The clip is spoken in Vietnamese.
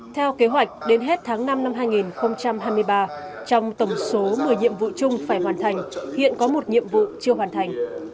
theo kế hoạch đến hết tháng năm năm hai nghìn hai mươi ba trong tổng số một mươi nhiệm vụ chung phải hoàn thành hiện có một nhiệm vụ chưa hoàn thành